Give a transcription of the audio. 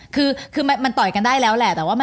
คือต่อยกันได้แล้วแหละ